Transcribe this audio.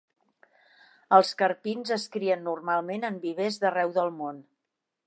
Els carpins es crien normalment en vivers d'arreu del món.